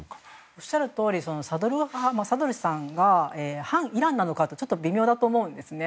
おっしゃるとおりサドルさんが反イランなのかってちょっと微妙だと思うんですね。